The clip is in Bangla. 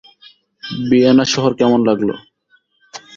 ভিয়েনা শহর কেমন লাগল?